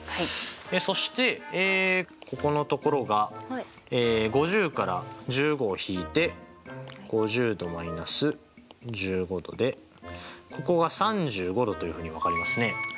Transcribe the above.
そしてここの所が５０から１５を引いて５０°−１５°でここが３５°というふうに分かりますね。